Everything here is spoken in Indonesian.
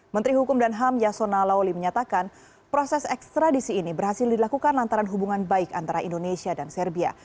menteri hukum dan ham yasona lawli menyatakan proses ekstradisi ini berhasil dilakukan lantaran hubungan baik antara indonesia dan serbia